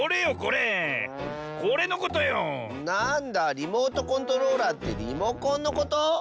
リモートコントローラーってリモコンのこと？